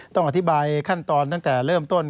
ต้องอธิบายขั้นตอนตั้งแต่เริ่มต้น